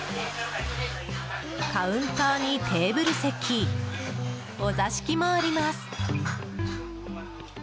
カウンターにテーブル席お座敷もあります。